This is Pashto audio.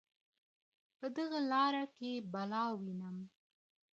پر دغه لاره كه بلا ويـنمه